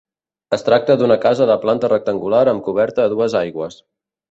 Es tracta d'una casa de planta rectangular amb coberta a dues aigües.